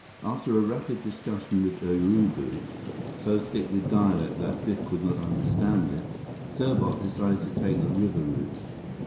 After a rapid discussion with Urubu, so thick with dialect that Biff could not understand it, Serbot decided to take the river route.